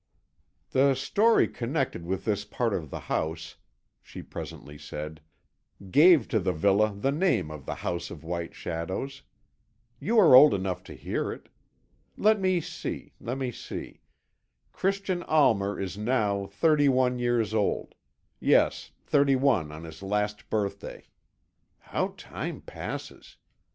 "The story connected with this part of the house," she presently said, "gave to the villa the name of the House of White Shadows. You are old enough to hear it. Let me see, let me see. Christian Almer is now thirty one years old yes, thirty one on his last birthday. How time passes!